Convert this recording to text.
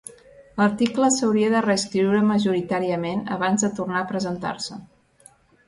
L'article s'hauria de reescriure majoritàriament abans de tornar a presentar-se.